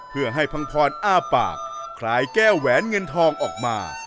เพื่อให้พังพรอ้าปากคลายแก้วแหวนเงินทองออกมา